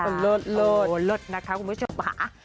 โอ้โหโลดโลดโลดนะคะคุณผู้ชมค่ะ